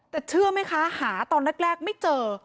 แต่เชื่อไหมคะหาตอนแรกไม่เจอ